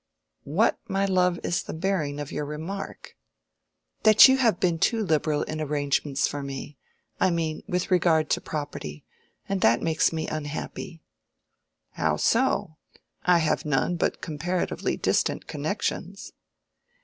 "What, my love, is the bearing of your remark?" "That you have been too liberal in arrangements for me—I mean, with regard to property; and that makes me unhappy." "How so? I have none but comparatively distant connections."